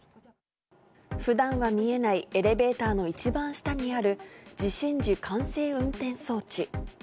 ふだんは見えないエレベーターの一番下にある、地震時管制運転装置。